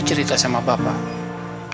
cerita sama bapak